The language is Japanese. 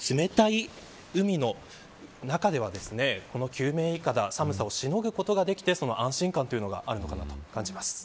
ですので、冷たい海の中では救命いかだ、寒さをしのぐことができて、安心感というのがあるかなと感じます。